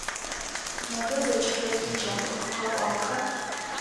Непэ зэкӏэхэри еджапӏэм къэкӏуагъэха?